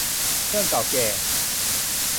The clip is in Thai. เรื่องเก่าแก่